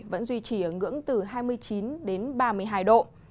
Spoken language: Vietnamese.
vẫn duy trì ở ngưỡng từ hai mươi chín đến ba mươi hai độ